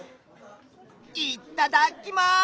いっただっきます！